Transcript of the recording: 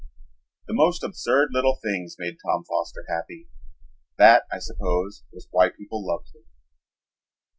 The most absurd little things made Tom Foster happy. That, I suppose, was why people loved him.